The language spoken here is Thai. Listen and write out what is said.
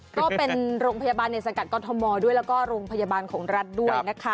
ก็เป็นโรงพยาบาลในสังกัดกรทมด้วยแล้วก็โรงพยาบาลของรัฐด้วยนะคะ